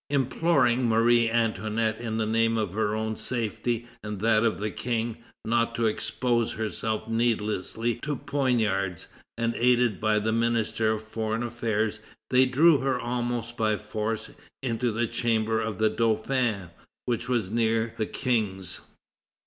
Imploring Marie Antoinette in the name of her own safety and that of the King, not to expose herself needlessly to poniards, and aided by the Minister of Foreign Affairs, they drew her almost by force into the chamber of the Dauphin, which was near the King's.